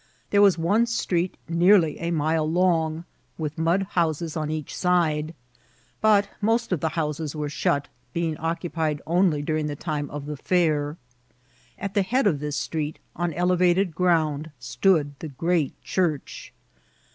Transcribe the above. There was one street nearly a mile long, with mud houses on each side ; but most of the houses were shut, being occupied only during the time of the fair. At the head of this street, on elevated ground| stood the great church.